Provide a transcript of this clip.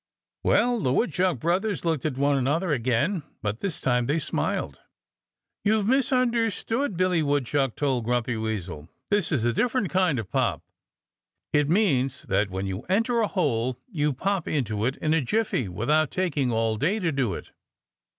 Well, the Woodchuck brothers looked at one another again. But this time they smiled. "You've misunderstood," Billy Woodchuck told Grumpy Weasel. "This is a different kind of pop. It means that when you enter a hole you pop into it in a jiffy, without taking all day to do it."